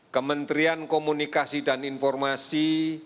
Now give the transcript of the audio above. kementerian komunikasi dan informasi